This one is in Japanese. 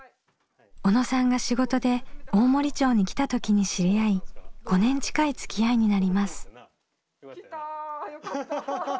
小野さんが仕事で大森町に来た時に知り合い５年近いつきあいになります。